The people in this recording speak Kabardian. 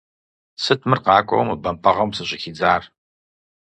Сыт мыр къакӀуэу мы бэмпӀэгъуэм сыщӀыхидзар?